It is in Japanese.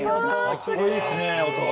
かっこいいですね音が。